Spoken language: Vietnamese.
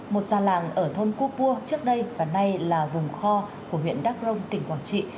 một già làng ở thôn cô pua trước đây và nay là vùng kho của huyện đắk rông tỉnh quảng trị